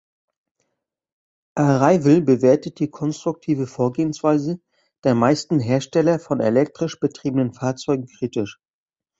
Arrival bewertet die konstruktive Vorgehensweise der meisten Hersteller von elektrisch betriebenen Fahrzeugen kritisch.